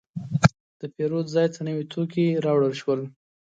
د پیرود ځای ته نوي توکي راوړل شول.